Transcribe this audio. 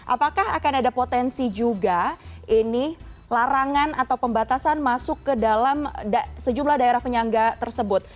apakah akan ada potensi juga ini larangan atau pembatasan masuk ke dalam sejumlah daerah penyangga tersebut